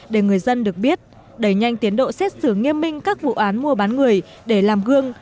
để người dân được biết đẩy nhanh tiến độ xét xử nghiêm minh các vụ án mua bán người để làm gương